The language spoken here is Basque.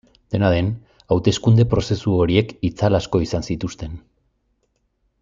Dena den, hauteskunde prozesu horiek itzal asko izan zituzten.